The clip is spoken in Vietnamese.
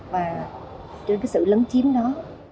và trên cái sự lấn chiếm đó